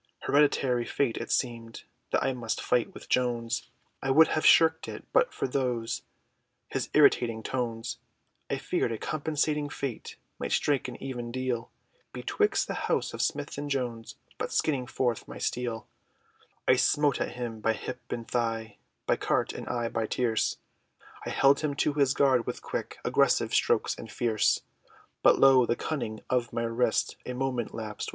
Hereditary fate it seemed, That I must fight with Jones, I would have shirked it, but for those, His irritating tones, I feared a compensating fate, Might strike an even deal, Betwixt the house of Smith, and Jones, But skinning forth my steel, I smote at him, by hip, and thigh, By carte, and aye by tierce, I held him to his guard, with quick, Aggressive strokes, and fierce, But lo! the cunning of my wrist, A moment lapsed!